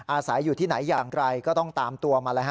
อาศัยอยู่ที่ไหนอย่างไรก็ต้องตามตัวมาแล้วฮ